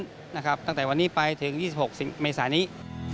ตั้งจากวันนี้ไปถึง๒๖เมษายังไง